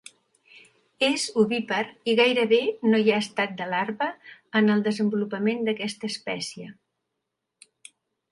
És ovípar i gairebé no hi ha estat de larva en el desenvolupament d'aquesta espècie.